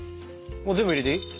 もう全部入れていい？